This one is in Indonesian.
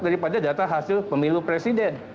daripada data hasil pemilu presiden